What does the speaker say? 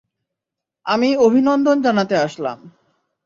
আমি অভিনন্দন জানাতে আসলাম।